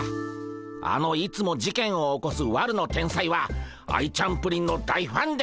あのいつも事件を起こす悪の天才はアイちゃんプリンの大ファンでゴンス。